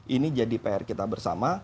ini jadi pr kita bersama